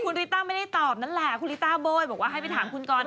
ครูริตาไม่ได้ตอบนั้นล่ะครูริตาบ่อยบอกว่าให้ไปถามคุณกรอน